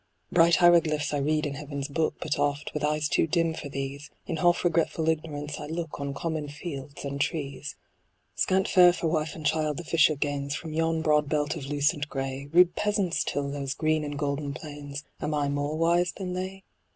Bright hieroglyphs I read in heaven's book ; But oft, with eyes too dim for these. In half regretful ignorance I look On common fields and trees. THE ASTRONOMER. Scant fare for wife and child the fisher gains From yon broad belt of lucent grey ; Rude peasants till those green and golden plains ; Am I more wise than they